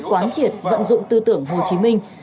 quán triệt vận dụng tư tưởng hồ chí minh